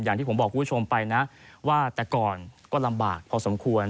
อย่างที่ผมบอกคุณผู้ชมไปนะว่าแต่ก่อนก็ลำบากพอสมควร